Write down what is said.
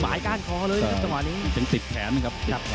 หวายก้านคองเขาเลยด้วยซิตแผนนะครับ